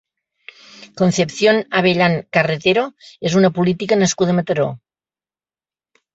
Concepción Abellán Carretero és una política nascuda a Mataró.